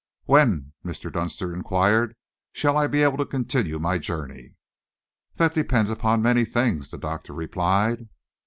"When," Mr. Dunster enquired, "shall I be able to continue my journey?" "That depends upon many things," the doctor replied.